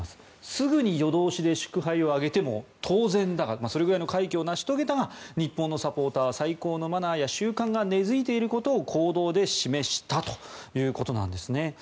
すぐに夜通しで祝杯を挙げても当然だがそれぐらいの快挙を成し遂げたが日本のサポーターは最高のマナーや習慣が根付いていることを、行動で示したということなんですね。